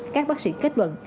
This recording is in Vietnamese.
các bác sĩ kết luận